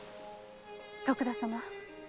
徳田様